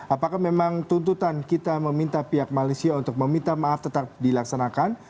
apakah memang tuntutan kita meminta pihak malaysia untuk meminta maaf tetap dilaksanakan